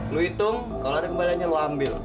lo hitung kalau ada kembaliannya lo ambil